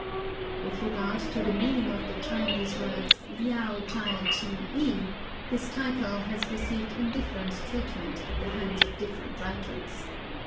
With regard to the meaning of the Chinese words Liao Chai Chih I, this title has received indifferent treatment at the hands of different writers.